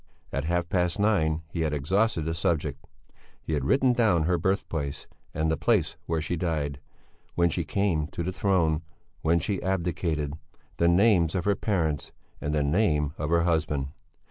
At half past nine he had exhausted the subject. He had written down her birthplace, and the place where she died, when she came to the throne, when she abdicated, the names of her parents and the name of her husband.